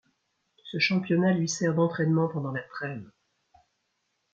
Ce championnat lui sert d’entrainement pendant la trêve.